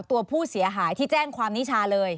ตัวผู้เสียหายที่แจ้งความนิชาเลย